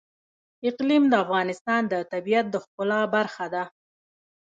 اقلیم د افغانستان د طبیعت د ښکلا برخه ده.